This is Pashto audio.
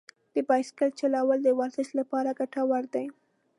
د بایسکل چلول د ورزش لپاره ګټور دي.